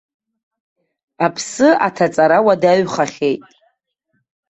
Аԥсы аҭаҵара уадаҩхахьеит.